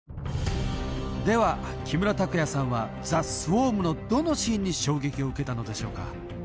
では木村拓哉さんは『ＴＨＥＳＷＡＲＭ』のどのシーンに襲撃を受けたのでしょうか？